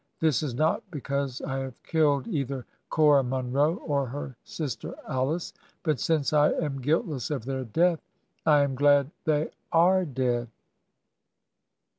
This is not because I have killed either Cora Munro or her sister Alice ; but since I am guilt less of their death I am glad they are dead.